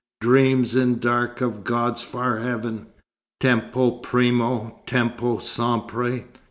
Dreams in dark of God's far heaven Tempo primo; tempo sempre."